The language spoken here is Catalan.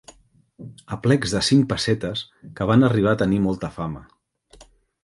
Aplecs de cincs pessetes que van arribar a tenir molta fama.